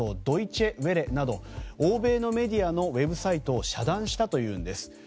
ドイチェ・ヴェレなど欧米のメディアのウェブサイトを遮断したというんです。